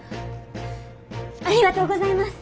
ありがとうございます。